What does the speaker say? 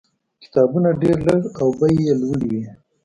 کتابونه ډېر لږ او بیې یې لوړې وې.